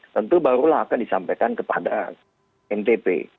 tentu barulah akan disampaikan kepada ntp